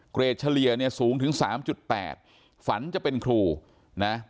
เกรดเฉลี่ยเนี่ยสูงถึง๓๘ฝันจะเป็นครูนะ